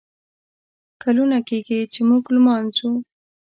کلونه کیږي ، چې موږه لمانځو